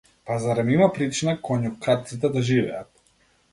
Па зарем има причина коњокрадците да живеат?